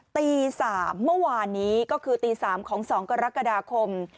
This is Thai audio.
ตี๓เมื่อวานนี้ก็คือตี๓ของ๒กรกฎาคม